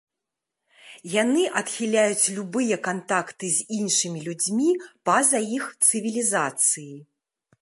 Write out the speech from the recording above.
Яны адхіляюць любыя кантакты з іншымі людзьмі па-за іх цывілізацыі.